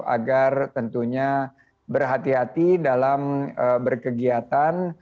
agar tentunya berhati hati dalam berkegiatan